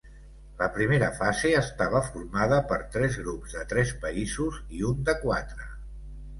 La primera fase estava formada per tres grups de tres països i un de quatre.